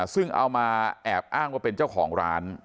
ซึ่งเอามาแอบอ้างว่าเป็นเจ้าของร้าน